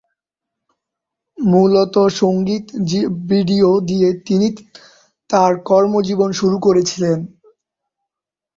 মূলত সঙ্গীত ভিডিও দিয়ে তিনি তার কর্মজীবন শুরু করেছিলেন।